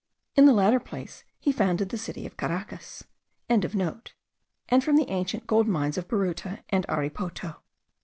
In the latter place he founded the city of Caracas.), and from the ancient gold mines of Baruta and Oripoto.